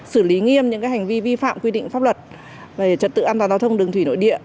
xử lý nghiêm những hành vi vi phạm quy định pháp luật về trật tự an toàn giao thông đường thủy nội địa